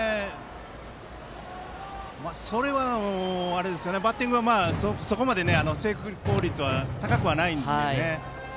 それはバッティングがそこまで成功率が高くはないので。